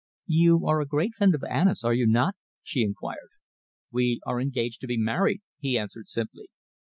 "You are a great friend of Anna's, are you not?" she enquired. "We are engaged to be married," he answered simply.